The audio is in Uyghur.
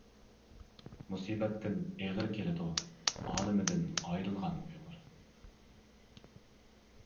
مۇسىبەتتىن ئېغىر كېلىدۇ، ئالىمىدىن ئايرىلغان ئۇيغۇر.